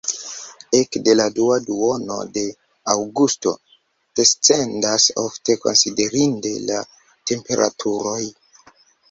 Ekde la dua duono de aŭgusto descendas ofte konsiderinde la temperaturoj.